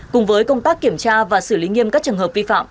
cùng với công tác kiểm tra và xử lý nghiêm các trường hợp vi phạm